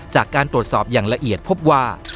จากการตรวจสอบอย่างละเอียดพบว่า